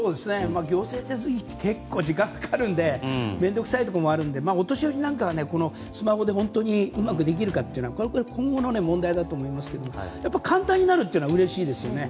行政手続きって結構、時間がかかるので面倒くさいところもあるのでお年寄りがスマホとかでうまくできるかというのは今後の問題だと思いますけど簡単になるというのはうれしいですよね。